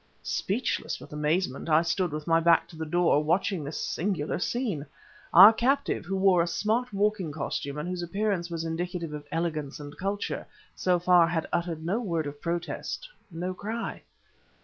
Speechless with amazement, I stood, with my back to the door, watching this singular scene. Our captive, who wore a smart walking costume and whose appearance was indicative of elegance and culture, so far had uttered no word of protest, no cry.